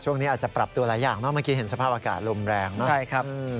ช่วงนี้อาจจะปรับตัวหลายอย่างเนาะเมื่อกี้เห็นสภาพอากาศลมแรงเนอะใช่ครับ